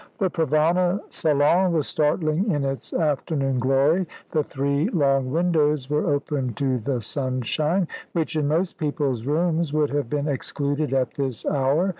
The Provana salon was startling in its afternoon glory. The three long windows were open to the sunshine, which in most people's rooms would have been excluded at this hour.